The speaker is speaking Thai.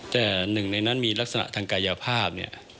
แต่หนึ่งในนั้นมีลักษณะทันกยภาพ